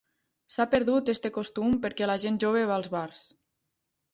S’ha perdut este costum perquè la gent jove va als bars.